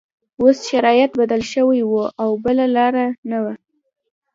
اوس شرایط بدل شوي وو او بله لاره نه وه